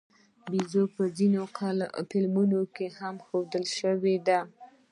بیزو په ځینو فلمونو کې هم ښودل شوې ده.